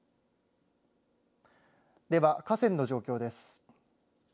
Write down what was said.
では河川の状況です。